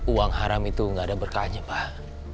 uang haram itu gak ada berkahnya pak